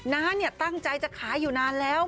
น้าตั้งใจจะขายอยู่นานแล้ว